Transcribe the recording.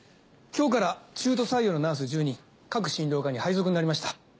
今日から中途採用のナース１０人各診療科に配属になりました。